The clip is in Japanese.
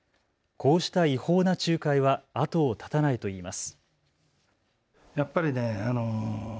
こうした違法な仲介は後を絶たないといいます。